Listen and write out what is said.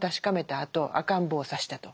あと赤ん坊を刺したと。